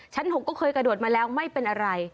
๖ก็เคยกระโดดมาแล้วไม่เป็นอะไร